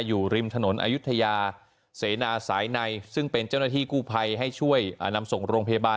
อยู่ริมถนนอายุทยาเสนาสายในซึ่งเป็นเจ้าหน้าที่กู้ภัยให้ช่วยนำส่งโรงพยาบาล